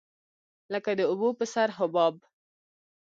لکه د اوبو په سر حباب.